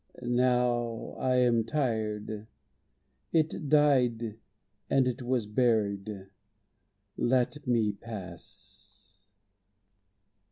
Now I am tired. It died and it was buried. Let me pass.